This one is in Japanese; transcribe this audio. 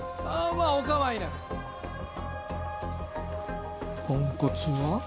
まあおかまいなくポンコツは？